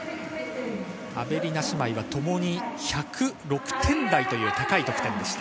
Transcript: アベリナ姉妹はともに１０６点台という高い得点でした。